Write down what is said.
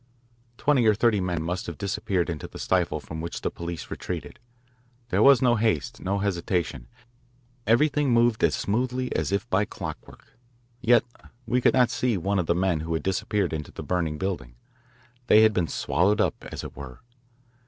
Twenty or thirty men must have disappeared into the stifle from which the police retreated. There was no haste, no hesitation. Everything moved as smoothly as if by clockwork. Yet we could not see one of the men who had disappeared into the burning building. They had been swallowed up, as it were.